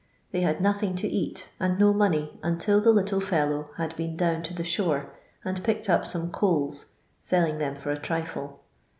They had nothing to eat and no money until the little fellow had been down to the shore and picked up some coals, selling them for a trifle.